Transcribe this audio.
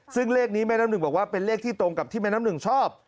ซึ่งเลขนี้แม่น้ำหนึ่งบอกว่าเป็นเลขที่ตรงกับที่แม่น้ำหนึ่งชอบ